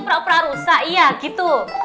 prak prak rusak iya gitu